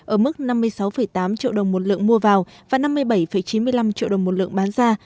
ở mức năm mươi sáu tám triệu đồng một lượng mua vào và năm mươi bảy chín mươi năm triệu đồng một lượng bán ra